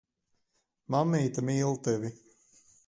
Mammīte mīl tevi.